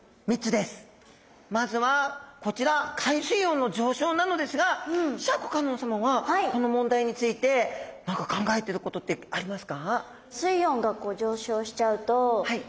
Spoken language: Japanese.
まずはこちら海水温の上昇なのですがシャーク香音さまはこの問題について何か考えてることってありますか？